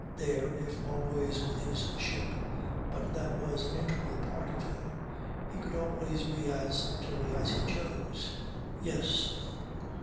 There, if always with his ship (but that was an integral part of him) he could always be as solitary as he chose. Yes.